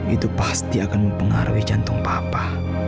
itu pasti akan mempengaruhi jantung papa